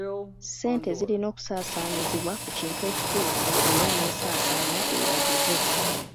Ssente zirina okusaasaanyizibwa ku kintu ekituufu era n'ensaasaanya eragibwe.